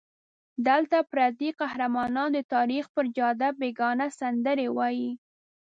دلته پردي قهرمانان د تاریخ پر جاده بېګانه سندرې وایي.